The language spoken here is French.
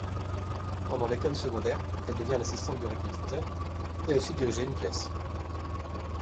Pendant l’école secondaire, elle devient l’assistante du répétiteur et a aussi dirigé une pièce.